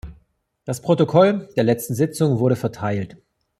Das Protokoll der letzten Sitzung wurde verteilt.